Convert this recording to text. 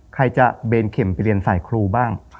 ใครจะเบนเข็มไปเรียนสายครูบ้าง